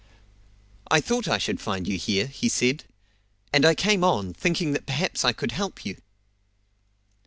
"I thought I should find you here," he said; "and I came on, thinking that perhaps I could help you."